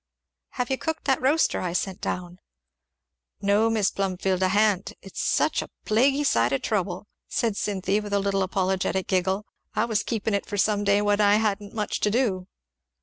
"Have you cooked that roaster I sent down?" "No, Mis' Plumfield, I ha'n't it's such a plaguy sight of trouble!" said Cynthy with a little apologetic giggle; "I was keepin' it for some day when I hadn't much to do."